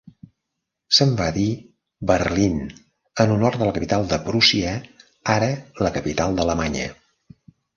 Se'n va dir Berlín, en honor de la capital de Prússia, ara la capital d'Alemanya.